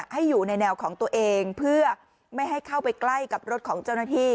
ให้อยู่ในแนวของตัวเองเพื่อไม่ให้เข้าไปใกล้กับรถของเจ้าหน้าที่